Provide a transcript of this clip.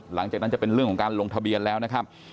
หลังจากนั้นจะเป็นเรื่องของการลงทะเบียนแล้วนะครับ